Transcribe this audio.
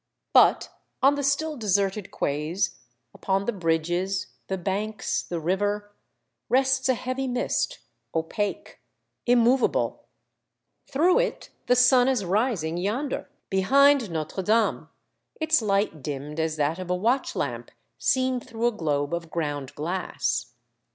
But on the still deserted quays, upon the bridges, the banks, the river, rests a heavy mist, opaque, immovable; through it the sun is rising 200 Monday Tales, yonder, behind Notre Dame, its light dimmed as that of a watch lamp seen through a globe of ground glass.